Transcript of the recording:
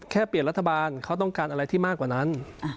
แค่เปลี่ยนรัฐบาลเขาต้องการอะไรที่มากกว่านั้น